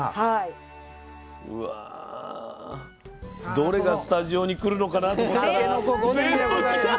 どれがスタジオに来るのかなと思ったら全部来た！